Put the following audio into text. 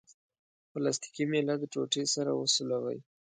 پلاستیکي میله د ټوټې سره وسولوئ.